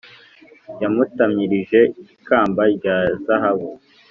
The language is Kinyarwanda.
yamutamirije ikamba rya zahabu,